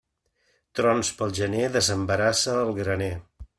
Trons pel gener, desembarassa el graner.